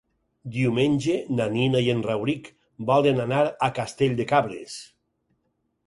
Diumenge na Nina i en Rauric volen anar a Castell de Cabres.